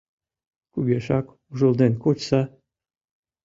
Кугешак ужылден кочса